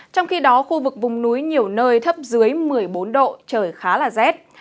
trong khi đó khu vực vùng núi nhiều nơi thấp dưới một mươi bốn độ trời khá là rét